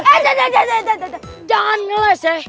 eh jangan jangan jangan ngeles ya